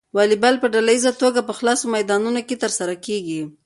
واليبال په ډله ییزه توګه په خلاصو میدانونو کې ترسره کیږي.